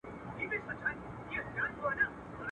پرېږده جهاني دا د نیکه او د اباکیسې.